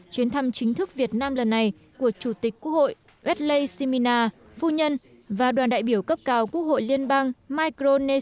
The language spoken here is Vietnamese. chuyến thăm chính thức việt nam lần này của chủ tịch quốc hội westlei simina phu nhân và đoàn đại biểu cấp cao quốc hội liên bang micrones